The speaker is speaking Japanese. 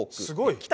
すごい。